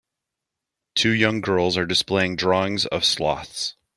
Two young girls are displaying drawings of sloths.